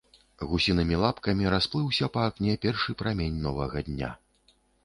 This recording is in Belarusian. Гусінымі лапкамі расплыўся па акне першы прамень новага дня.